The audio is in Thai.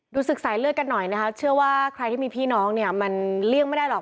ศึกสายเลือดกันหน่อยนะคะเชื่อว่าใครที่มีพี่น้องเนี่ยมันเลี่ยงไม่ได้หรอก